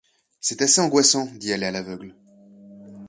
C’est assez angoissant, d’y aller à l’aveugle.